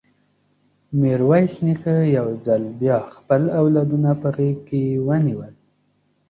ميرويس نيکه يو ځل بيا خپل اولادونه په غېږ کې ونيول.